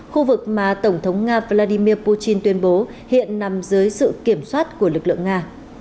khu vực mà tổng thống nga vladimir putin tuyên bố hiện nằm dưới sự kiểm soát của lực lượng nga